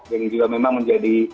yang juga memang menjadi